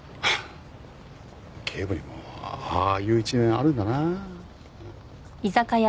警部にもああいう一面あるんだな。